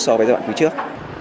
so với giai đoạn cuối trước